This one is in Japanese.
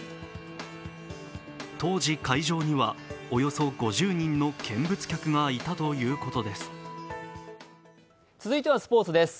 当時、会場にはおよそ５０人の見物客がいたということです。